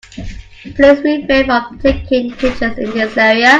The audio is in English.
Please refrain from taking pictures in this area.